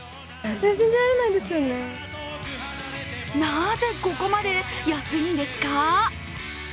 なぜここまで安いんですか？